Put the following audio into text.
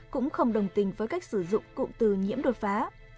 cũng không đồng tình với cách sử dụng cụm từ nhiễm đột phá